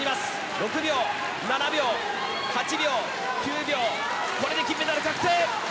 ６秒、７秒、８秒、９秒、これで金メダル確定！